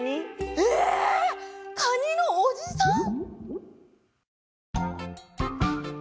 えっカニのおじさん！？